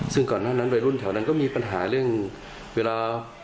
ซึ่งก่อนนั้นนั้นไปรุ่นแถวนั้นก็มีปัญหาเวลา